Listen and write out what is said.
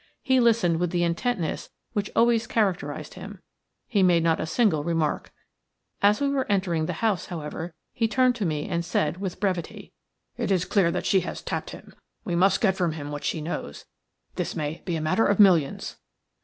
He listened with the intentness which always characterized him. He made not a single remark. As we were entering the house, however, he turned to me and said, with brevity:– "It is clear that she has tapped him. We must get from him what she knows. This may be a matter of millions."